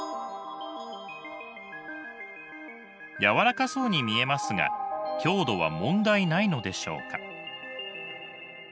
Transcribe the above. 軟らかそうに見えますが強度は問題ないのでしょうか？